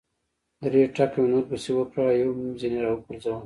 درې ټکه مې نور پسې وکړل او یو مې ځنې را و پرځاوه.